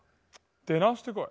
出直してこい。